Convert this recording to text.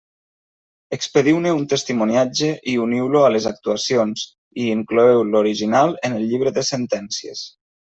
Expediu-ne un testimoniatge i uniu-lo a les actuacions, i incloeu l'original en el llibre de sentències.